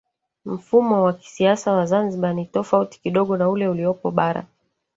Mfumo wa kisiasa wa Zanzibar ni tofauti kidogo na ule uliopo bara